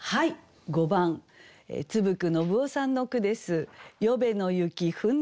５番津布久信雄さんの句です。